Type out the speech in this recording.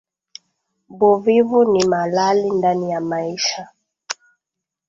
Buvivu ni malali ndani ya maisha